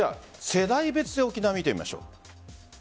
世代別で沖縄を見てみましょう。